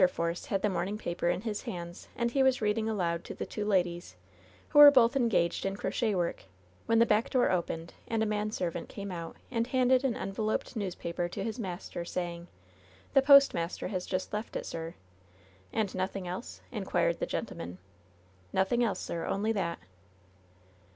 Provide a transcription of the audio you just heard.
Force had the morning paper in his hands and he was reading aloud to the two ladies, who were both engaged in crochet work, when the back door opened and a manservant came out and handed an enveloped news paper to his master, saying: "The postmaster has just left it, sir.^* "And nothing else ?" inquired the gentleman. "Nothing else, sir — only that."